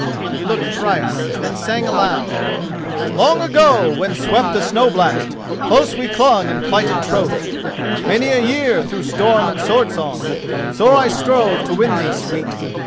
He looked thrice, then sang aloud: "Long ago, when swept the snow blast, Close we clung and plighted troth. Many a year, through storm and sword song, Sore I strove to win thee, sweet!